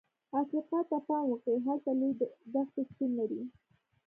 افریقا ته پام وکړئ، هلته لویې دښتې شتون لري.